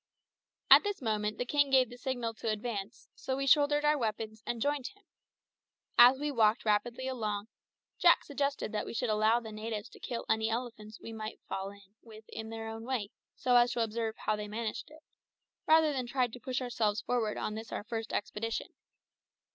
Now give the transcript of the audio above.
At this moment the king gave the signal to advance, so we shouldered our weapons and joined him. As we walked rapidly along, Jack suggested that we should allow the natives to kill any elephants we might fall in with in their own way, so as to observe how they managed it, rather than try to push ourselves forward on this our first expedition.